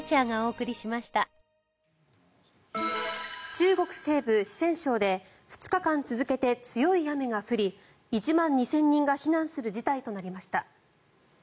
中国西部、四川省で２日間続けて強い雨が降り１万２０００人が避難する事態となりました。